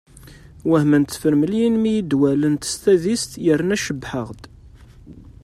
Wehment tefremliyin mi i yi-d-wallent s tadist yerna cebbḥeɣ-d.